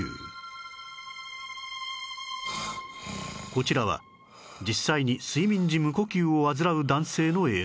こちらは実際に睡眠時無呼吸を患う男性の映像